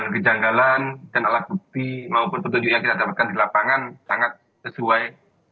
kejanggalan dan alat bukti maupun petunjuk yang kita dapatkan di lapangan sangat sesuai